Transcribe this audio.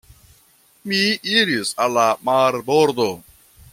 Mi iris al la marbordo.